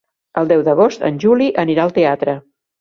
El deu d'agost en Juli anirà al teatre.